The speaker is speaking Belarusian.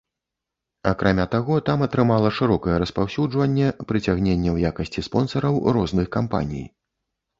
Акрамя таго там атрымала шырокае распаўсюджванне прыцягненне ў якасці спонсараў розных кампаній.